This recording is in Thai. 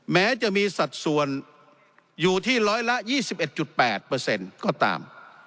แม้จะมีสัดส่วนอยู่ที่ร้อยละ๒๑๘ก็ตาม